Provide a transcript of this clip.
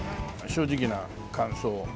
正直な感想を。